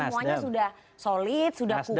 semuanya sudah solid sudah puas